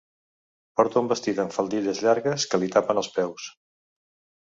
Porta un vestit amb faldilles llargues que li tapen els peus.